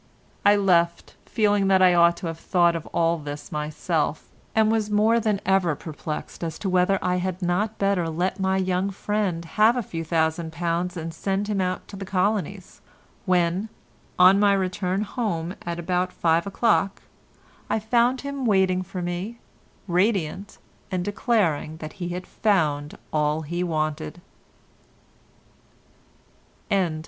I left, feeling that I ought to have thought of all this myself, and was more than ever perplexed as to whether I had not better let my young friend have a few thousand pounds and send him out to the colonies, when, on my return home at about five o'clock, I found him waiting for me, radiant, and declaring that he had found all he wanted.